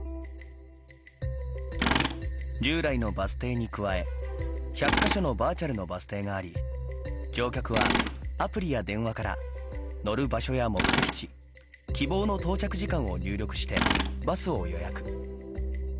従来のバス停に加え１００か所のバーチャルのバス停があり乗客はアプリや電話から乗る場所や目的地希望の到着時間を入力してバスを予約。